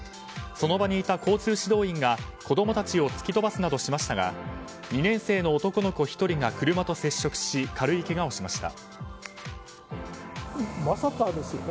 その場にいた交通指導員が子供たちを突き飛ばすなどしましたが２年生の男の子１人が車と接触し、軽いけがをしました。